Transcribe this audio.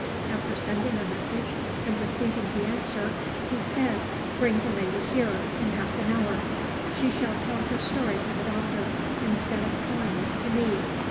"After sending a message and receiving the answer, he said, 'Bring the lady here in half an hour; she shall tell her story to the doctor instead of telling it to me.